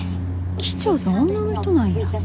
機長さん女の人なんや。